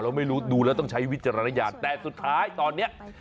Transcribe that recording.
ไม่รู้ดูแล้วต้องใช้วิจารณญาณแต่สุดท้ายตอนนี้